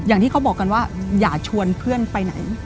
อย่างที่เขาบอกกันว่าอย่าชวนเพื่อนไปไหน